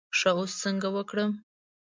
ښه اوس څنګه وکړم.